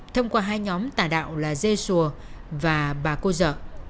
thông qua hai nhóm tà đạo là dê sùa và bà cô dợ